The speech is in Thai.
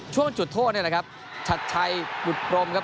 ช่วงจุดโทษนี่แหละครับชัดชัยบุตรพรมครับ